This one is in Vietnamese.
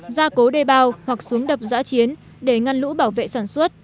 gia cố đề bào hoặc xuống đập giã chiến để ngăn lũ bảo vệ sản xuất